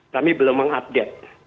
kami belum mengupdate